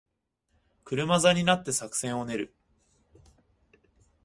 車座になって作戦を練る